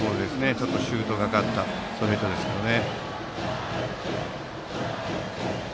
ちょっとシュートがかったストレートですね。